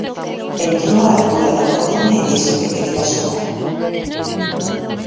Entrou á altura da cociña e dixo que quería axuda.